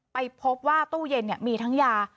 ไปพบว่าตู้เย็นมีทั้งยา